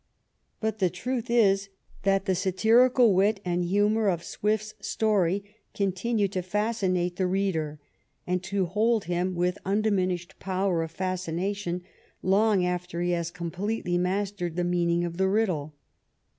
But the truth is that the satirical wit and humor of Swift's story continue to fascinate the reader, and to hold him with undiminished power of fascina tion long after he has completely mastered the meaning of the riddle.